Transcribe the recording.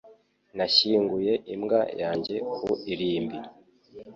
Nashyinguye imbwa yanjye ku irimbi.